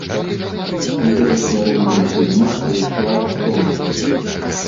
Ідэя стварэння фільма прыйшла раптоўна.